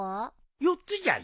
４つじゃよ。